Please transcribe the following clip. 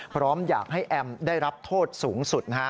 พร้อมอยากให้แอมได้รับโทษสูงสุดนะฮะ